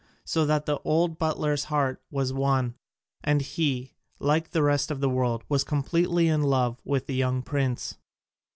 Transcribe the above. So that the old butler's heart was won, and he, like the rest of the world, was completely in love with the young prince.